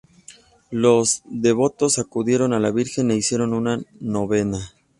Los devotos acudieron a la Virgen y le hicieron una novena.